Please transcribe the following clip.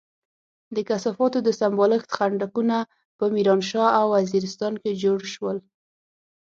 د کثافاتو د سمبالښت خندقونه په ميرانشاه او وزيرستان کې جوړ شول.